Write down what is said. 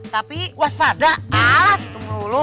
tapi waspada alat itu perlu